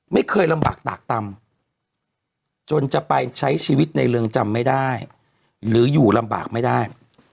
ไม่เคยลำบากตากต่ำจนจะไปใช้ชีวิตในเรือนจำไม่ได้หรืออยู่ลำบากไม่ได้